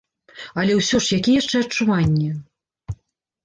Але ўсё ж, якія яшчэ адчуванні?